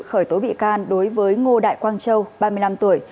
khởi tố bị can đối với ngô đại quang châu ba mươi năm tuổi